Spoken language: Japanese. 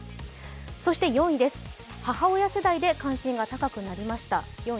そして４位です、母親世代で関心が高くなりました。